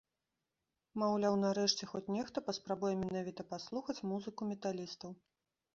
Маўляў, нарэшце хоць нехта паспрабуе менавіта паслухаць музыку металістаў.